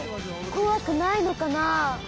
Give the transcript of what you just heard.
こわくないのかな？